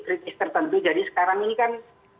kritis tertentu jadi sekarang ini kan